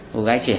cô gái trẻ